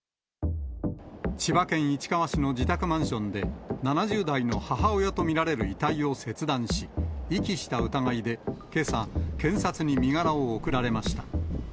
千葉県市川市の自宅マンションで、７０代の母親と見られる遺体を切断し、遺棄した疑いで、けさ、検察に身柄を送られました。